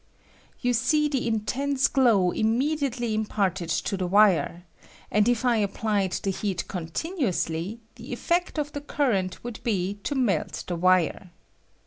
Ton see the intense glow immediately imparted to the wire ; and if I applied the heat continuously, the effect of the current would be to melt the wire.